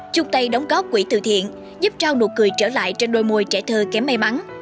chung tay đóng góp quỹ từ thiện giúp trao nụ cười trở lại trên đôi môi trẻ thơ kém may mắn